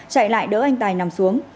chạy lại đỡ anh tài nằm xuống